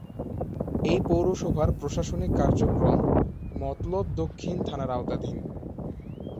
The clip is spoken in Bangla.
এ পৌরসভার প্রশাসনিক কার্যক্রম মতলব দক্ষিণ থানার আওতাধীন।